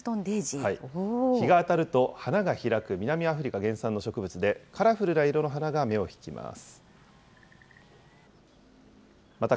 日が当たると花が開く南アフリカ原産の植物で、カラフルな色の花が目を引きます。